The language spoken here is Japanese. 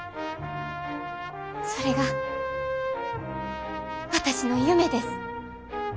それが私の夢です。